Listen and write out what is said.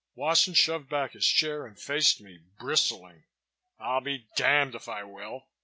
Wasson shoved back his chair and faced me, bristling. "I'll be damned if I will.